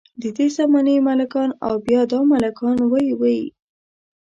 ددې زمانې ملکان او بیا دا ملکان وۍ وۍ.